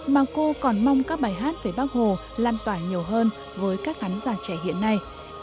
mà cô còn mong các bài hát về bác hồ lan tỏa nhiều hơn với các khán giả trẻ hiện nay